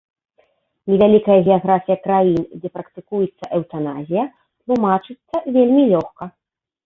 Невялікая геаграфія краін, дзе практыкуецца эўтаназія, тлумачыцца вельмі лёгка.